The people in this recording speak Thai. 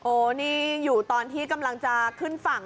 โอ้นี่อยู่ตอนที่กำลังจะขึ้นฝั่ง